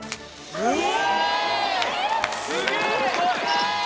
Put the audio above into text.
うわ！